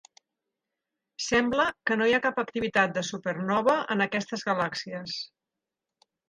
Sembla que no hi ha cap activitat de supernova en aquestes galàxies.